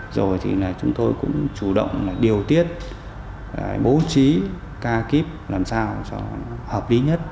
rồi thì là chúng tôi cũng chủ động là điều tiết bố trí ca kíp làm sao cho hợp lý nhất